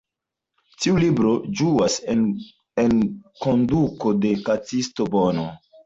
Tiu libro ĝuas enkondukon de kantisto Bono.